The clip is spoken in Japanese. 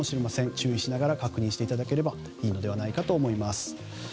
注意しながら確認していただければいいのではないかと思います。